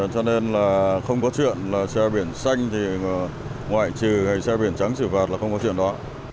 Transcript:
cho nên là không có chuyện là xe biển xanh thì ngoại trừ hay xe biển trắng xử phạt là không có chuyện đó